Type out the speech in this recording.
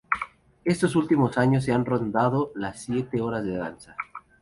Estos últimos años se han rondado las siete horas de danza.